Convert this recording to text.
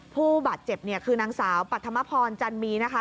ผู้บาดเจ็บเนี่ยคือนางสาวปรัฐมพรจันมีนะคะ